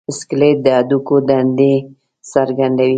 سکلیټ د هډوکو دندې څرګندوي.